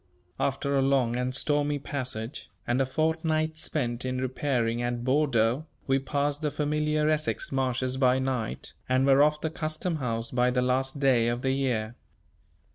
After a long and stormy passage, and a fortnight spent in repairing at Bordeaux, we passed the familiar Essex marshes by night, and were off the Custom House by the last day of the year.